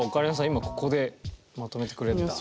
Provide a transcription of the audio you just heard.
今ここでまとめてくれるんだ。